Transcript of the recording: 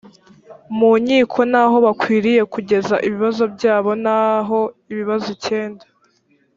mu nkiko n aho bakwiriye kugeza ibibazo byabo naho ibibazo icyenda